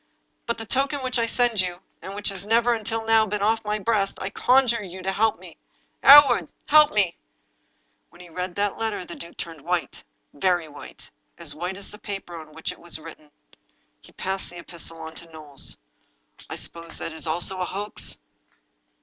" By the token which I send you, and which has never, until now, been off my breast, I conjure you to help 'me. " Hereward— A^/^ me!" When he read that letter the duke turned white — very white, as white as the paper on which it was written. He passed the epistle on to Knowles. " I suppose that also is a hoax?